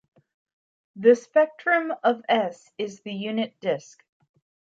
The spectrum of "S" is the unit disk.